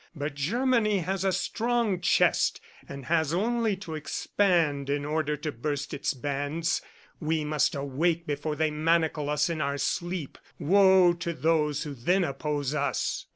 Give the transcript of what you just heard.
But Germany has a strong chest and has only to expand in order to burst its bands. We must awake before they manacle us in our sleep. Woe to those who then oppose us!